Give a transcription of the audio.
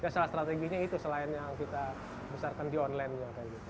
salah strateginya itu selain yang kita besarkan di online